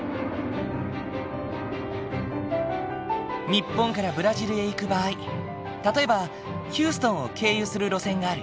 日本からブラジルへ行く場合例えばヒューストンを経由する路線がある。